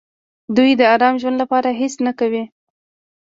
دوی د ارام ژوند لپاره هېڅ نه کوي.